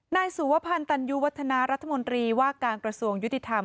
นายสุวพันธ์ตันยุวัฒนารัฐมนตรีว่าการกระทรวงยุติธรรม